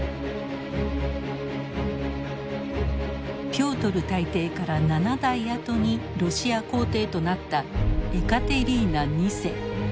ピョートル大帝から７代あとにロシア皇帝となったエカテリーナ２世。